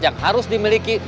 yang harus dimiliki